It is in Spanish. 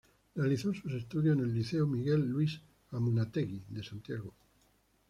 Realizó sus estudios en el Liceo Miguel Luis Amunátegui de Santiago.